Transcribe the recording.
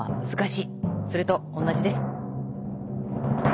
それと同じです。